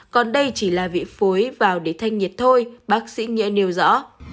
còn đây chỉ là vị phối vào để thanh nhiệt thôi bác sĩ nghĩa nêu rõ